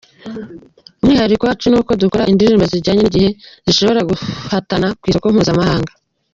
Umwihariko wacu nuko dukora indirimbo zijyanye n’igihe zishobora guhatana ku isoko mpuzamahanga.